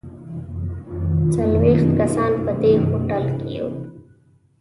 څلوېښت کسان په دې هوټل کې یو.